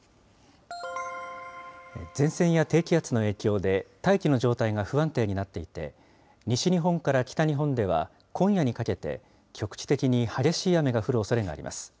前線や低気圧の影響で、大気の状態が不安定になっていて、西日本から北日本では、今夜にかけて、局地的に激しい雨が降るおそれがあります。